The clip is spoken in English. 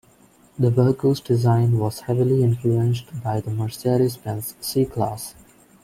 The vehicle's design was heavily influenced by the Mercedes-Benz C-Class.